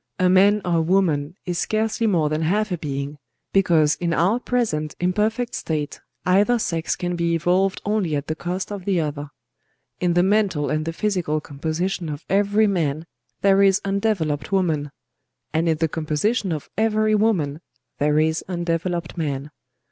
"A man or a woman is scarcely more than half a being,—because in our present imperfect state either sex can be evolved only at the cost of the other. In the mental and the physical composition of every man, there is undeveloped woman; and in the composition of every woman there is undeveloped man.